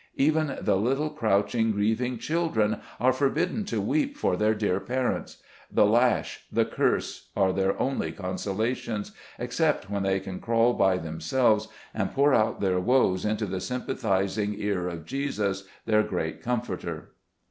Even the lit tle crouching, grieving children, are forbidden to weep for their dear parents. The lash, the curse, are their only consolations, except when they can crawl by themselves, and pour out their woes into the sympathizing ear of Jesus, their great Comforter.